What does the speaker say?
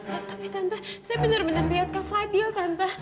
tapi tante saya benar benar lihat kak fadil tante